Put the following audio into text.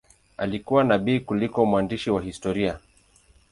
Alikuwa nabii kuliko mwandishi wa historia.